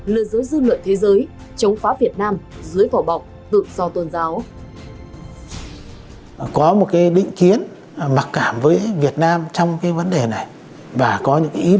lừa dối dư luận thế giới chống phá việt nam dưới vỏ bọc tự do tôn giáo